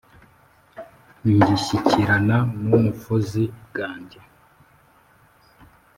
Ngishyikirana n’umufozi bwanjye